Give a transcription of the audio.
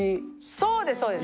そうですそうです。